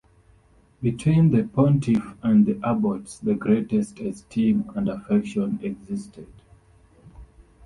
Between the Pontiff and the Abbot the greatest esteem and affection existed.